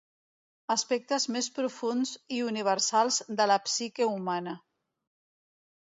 aspectes més profunds i universals de la psique humana